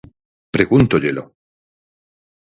Pregúntollelo.